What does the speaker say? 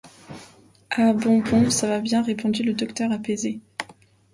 Ah! bon, bon, ça va bien », répondit le docteur apaisé.